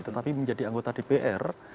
tetapi menjadi anggota dpr